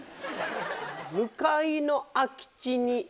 向かいの空き地に。